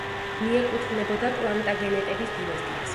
მიეკუთვნებოდა პლანტაგენეტების დინასტიას.